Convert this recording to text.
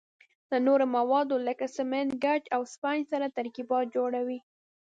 له نورو موادو لکه سمنټ، ګچ او اسفنج سره ترکیبات جوړوي.